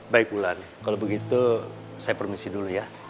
baik bulan kalau begitu saya permisi dulu ya